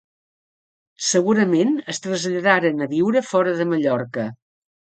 Segurament es traslladaren a viure fora de Mallorca.